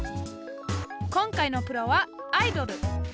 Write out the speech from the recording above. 今回のプロはアイドル。